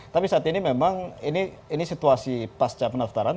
tapi saat ini memang ini situasi pasca pendaftaran